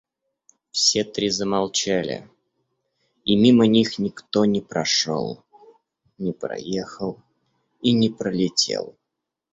Все три замолчали и мимо них никто не прошел, не проехал и не пролетел.